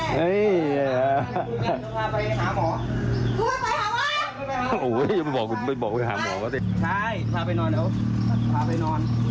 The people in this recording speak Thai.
เขาจะบอกไหน